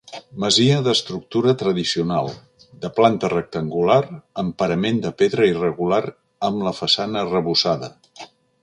Masia d'estructura tradicional, de planta rectangular amb parament de pedra irregular amb la façana arrebossada.